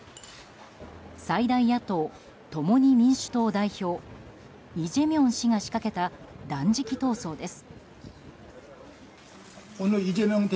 最大野党・共に民主党代表イ・ジェミョン氏が仕掛けた断食闘争です。